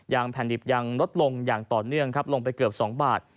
แผ่นดิบยังลดลงอย่างต่อเนื่องครับลงไปเกือบ๒บาท